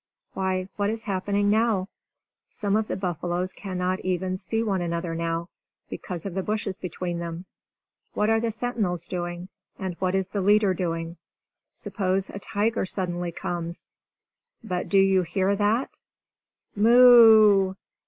Why, what is happening now? Some of the buffaloes cannot even see one another now, because of the bushes between them! What are the sentinels doing? And what is the leader doing? Suppose a tiger suddenly comes But do you hear that? "Moo!